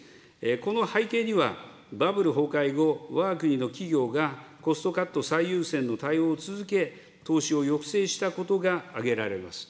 この背景には、バブル崩壊後、わが国の企業がコストカット最優先の対応を続け、投資を抑制したことが挙げられます。